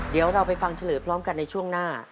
เดี๋ยวเราไปฟังเฉลยพร้อมกันในช่วงหน้า